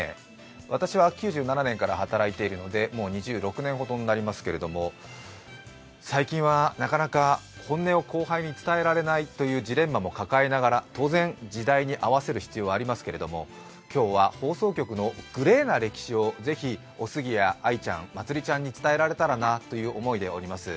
私は９７年から働いているのでもう２６年ほどになりますけれども、最近はなかなか、本音を後輩に伝えられないというジレンマも抱えながら、当然、時代に合わせる必要はありますけれども今日は放送局のグレーな歴史をおすぎや、愛ちゃん、まつりちゃんに伝えられたらなと思っております。